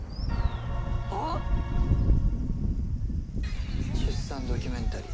はあ⁉出産ドキュメンタリー。